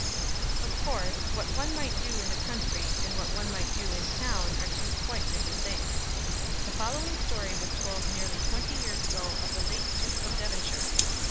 Of course, what one might do in the country and what one might do in town were two quite different things. The following story was told nearly twenty years ago of the late Duke of Devonshire.